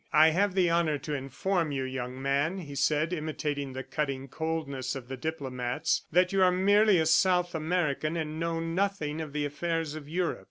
"I have the honor to inform you, young man," he said, imitating the cutting coldness of the diplomats, "that you are merely a South American and know nothing of the affairs of Europe."